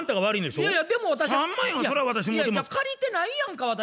借りてないやんか私。